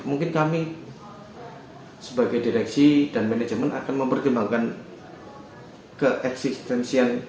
mungkin kami sebagai direksi dan manajemen akan mempertimbangkan keeksistensian